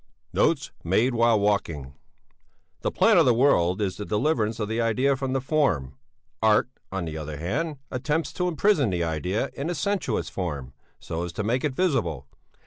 "'NOTES MADE WHILE WALKING: "'The plan of the world is the deliverance of the idea from the form; art, on the other hand, attempts to imprison the idea in a sensuous form, so as to make it visible.